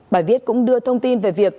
bài viết cũng đưa thông tin về việc